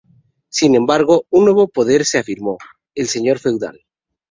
Sin embargo, un nuevo poder se afirmó: el señor feudal.